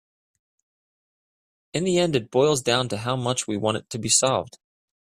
In the end it boils down to how much we want it to be solved.